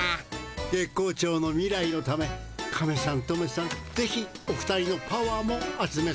月光町の未来のためカメさんトメさんぜひお二人のパワーもあつめさせてください。